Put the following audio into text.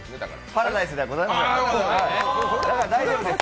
パラダイスではございません。